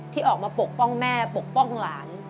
ที่ออกมาปกป้องแม่ปกป้องหลาน